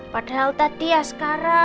padahal tadi askara